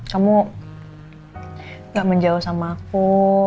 kamu gak menjauh sama aku